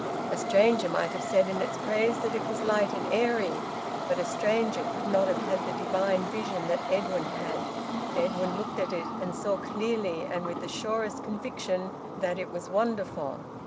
A stranger might have said in its praise that it was light and airy. But a stranger could not have had the divine vision that Edwin had. Edwin looked at it and saw clearly, and with the surest conviction, that it was wonderful.